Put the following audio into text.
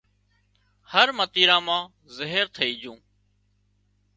هر متيرا مان زهر ٿئي جھون